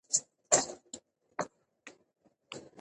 لیکوال زموږ لپاره یو ښه الګو دی.